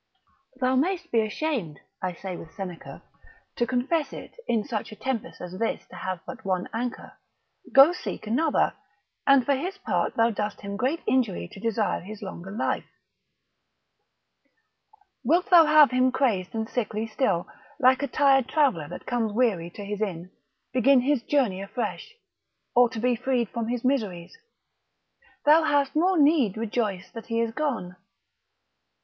Thou mayst be ashamed, I say with Seneca, to confess it, in such a tempest as this to have but one anchor, go seek another: and for his part thou dost him great injury to desire his longer life. Wilt thou have him crazed and sickly still, like a tired traveller that comes weary to his inn, begin his journey afresh, or to be freed from his miseries; thou hast more need rejoice that he is gone.